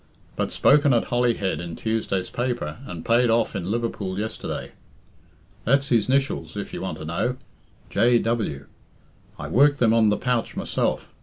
But spoken at Holyhead in Tuesday's paper, and paid off in Liverpool yesterday. That's his 'nitials, if you want to know J. W. I worked them on the pouch myself.